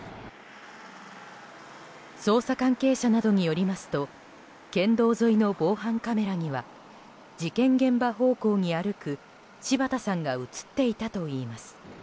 捜査関係者などによりますと県道沿いの防犯カメラには事件現場方向に歩く柴田さんが映っていたといいます。